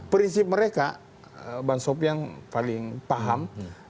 prinsip mereka bansopi yang paling paham